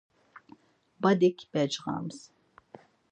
Badik becğams.